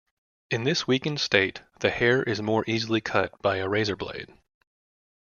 In this weakened state, the hair is more easily cut by a razor blade.